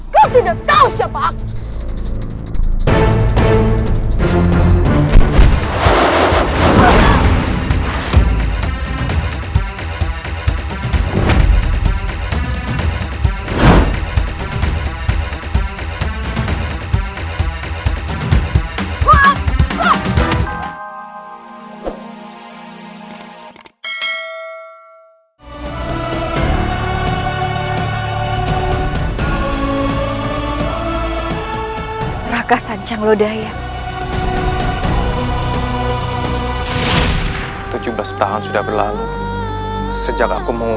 kau tidak tau siapa aku